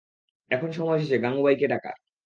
এখন সময় এসেছে গাঙুবাইকে ডাকার।